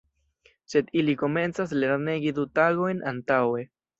Sed ili komencas lernegi du tagojn antaŭe.